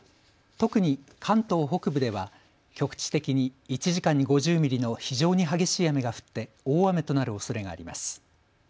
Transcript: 特に関東北部では局地的に１時間に５０ミリの非常に激しい雨が降って大雨となるおそれがあります。